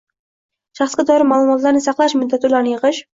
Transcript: Shaxsga doir ma’lumotlarni saqlash muddati ularni yig‘ish